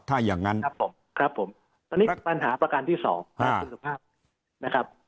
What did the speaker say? ถ้าอย่างนั้นครับผมครับผมตอนนี้ปัญหาประการที่สองครับคุณสุภาพนะครับ